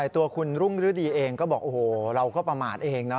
ตัวคุณรุ่งฤดีเองก็บอกเราเข้าประมาทเองนะ